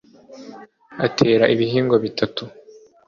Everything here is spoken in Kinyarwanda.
atera ibihingwa bitatu.